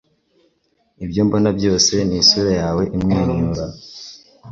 ibyo mbona byose ni isura yawe imwenyura